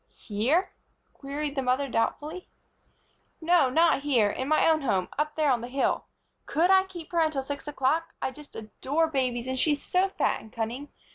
"Here?" queried the mother, doubtfully. "No, not here. In my own home up there, on the hill. Could I keep her until six o'clock? I just adore babies, and she's so fat and cunning!